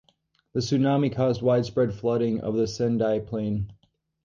The tsunami caused widespread flooding of the Sendai plain.